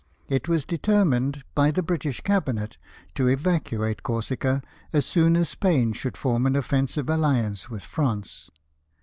It was determined by the British Cabinet to evacuate Corsica as soon as Spain should form an offensive alliance with France.